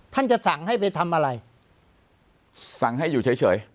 จะสั่งให้ไปทำอะไรสั่งให้อยู่เฉย